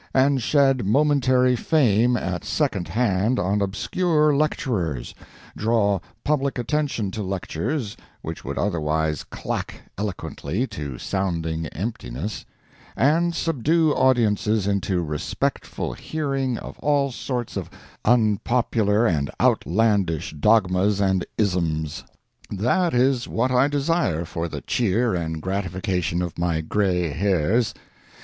and shed momentary fame at second hand on obscure lecturers, draw public attention to lectures which would otherwise clack eloquently to sounding emptiness, and subdue audiences into respectful hearing of all sorts of unpopular and outlandish dogmas and isms. That is what I desire for the cheer and gratification of my gray hairs.